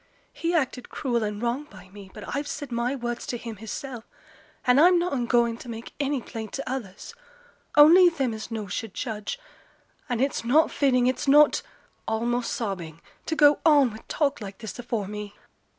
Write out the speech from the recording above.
He acted cruel and wrong by me. But I've said my words to him hissel', and I'm noane going to make any plaint to others; only them as knows should judge. And it's not fitting, it's not' (almost sobbing), 'to go on wi' talk like this afore me.'